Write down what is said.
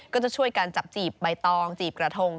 ก็จะช่วยกันจับจีบใบตองจีบกระทง